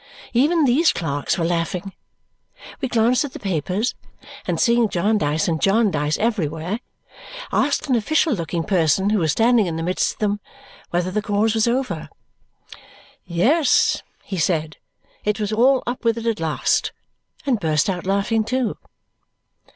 Even these clerks were laughing. We glanced at the papers, and seeing Jarndyce and Jarndyce everywhere, asked an official looking person who was standing in the midst of them whether the cause was over. Yes, he said, it was all up with it at last, and burst out laughing too.